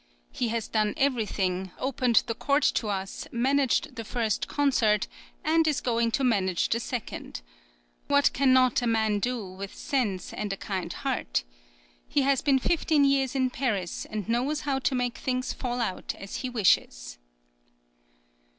"He has done everything opened the court to us, managed the first concert, and is going to manage the second. What cannot a man do with sense and a kind heart? He has been fifteen years in Paris, and knows how to make things fall out as he wishes."